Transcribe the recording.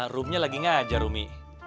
rumahnya lagi ngajar umi